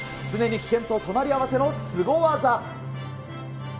常に危険と隣り合わせのすご技。